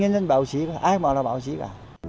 anh bảo nhân dân báo chí cả